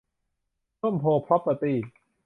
ร่มโพธิ์ พร็อพเพอร์ตี้